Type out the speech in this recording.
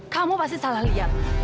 kamu pasti salah lihat